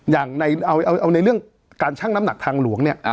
ยังไงฮะอย่างในเอาเอาในเรื่องการชั่งน้ำหนักทางหลวงเนี้ยอ่า